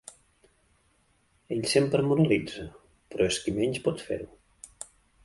Ell sempre moralitza, però és qui menys pot fer-ho.